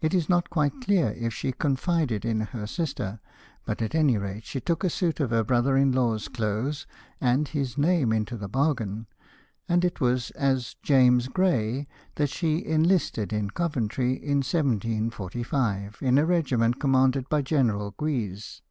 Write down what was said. It is not quite clear if she confided in her sister, but at any rate she took a suit of her brother in law's clothes and his name into the bargain, and it was as 'James Gray' that she enlisted in Coventry in 1745, in a regiment commanded by General Guise.